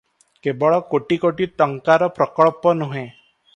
କେବଳ କୋଟି କୋଟି ଟଙ୍କାର ପ୍ରକଳ୍ପ ନୁହେଁ ।